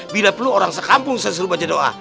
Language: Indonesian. bila perlu orang sekampung selalu baca doa